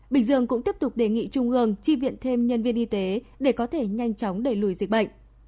bình dương cũng tiếp tục đề nghị trung ương chi viện thêm nhân viên y tế để có thể nhanh chóng đẩy lùi dịch bệnh